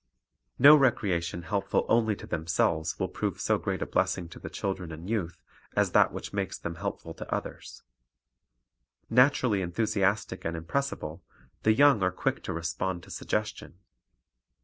No recreation helpful only to themselves will prove so great a blessing to the children and youth as that which makes them helpful to others. Naturally enthu siastic and impressible, the young are quick to respond to suggestion.